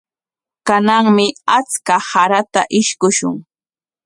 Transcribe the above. Kananmi achka sarata ishkushun.